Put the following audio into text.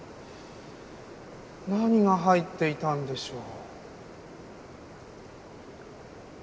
何が入っていたんでしょう？